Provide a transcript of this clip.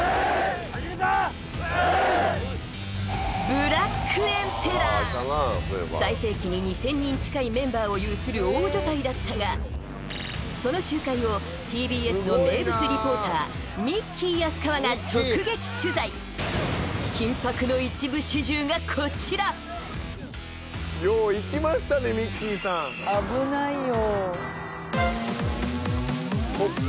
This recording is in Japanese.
ブラックエンペラー最盛期に２０００人近いメンバーを有する大所帯だったがその集会をＴＢＳの名物リポーターミッキー安川が直撃取材緊迫の一部始終がこちらちょっと聞きたいんだけどんだよ